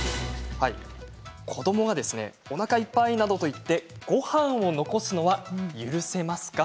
子どもが、おなかいっぱいなどと言ってごはんを残すのは許せますか？